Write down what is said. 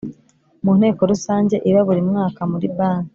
Mu Nteko Rusange iba buri mwaka muri banki